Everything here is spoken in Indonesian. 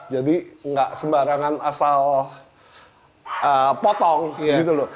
jadi gak sembarangan asal potong gitu loh